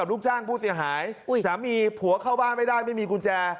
ลูกจ้างผู้เสียหายสามีผัวเข้าบ้านไม่ได้ไม่มีกุญแจ